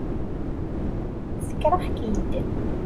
Sekreɣ-k-id.